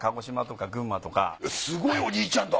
すごいおじいちゃんだ。